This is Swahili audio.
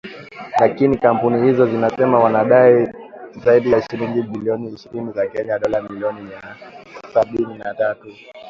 Lakini kampuni hizo zinasema wanadai zaidi ya shilingi bilioni ishirini za Kenya, dola milioni mia sabini na tatu.